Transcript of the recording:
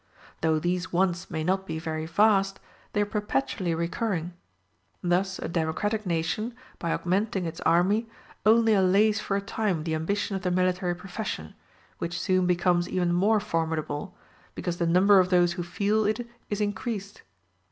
Though these wants may not be very vast, they are perpetually recurring. Thus a democratic nation, by augmenting its army, only allays for a time the ambition of the military profession, which soon becomes even more formidable, because the number of those who feel it is increased.